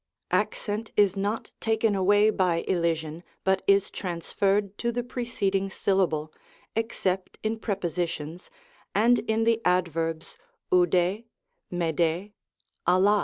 Accent is not taken away by elision, but is transferred to the preceding syllable, except in prepo sitions, and in the adverbs ovdsy /uijd&y dXXd.